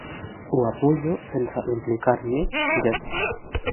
Ho apujo sense implicar-m'hi gens.